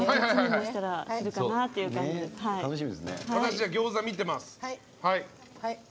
私、ギョーザ見ています。